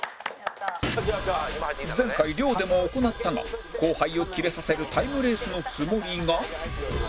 前回亮でも行ったが後輩をキレさせるタイムレースのつもりが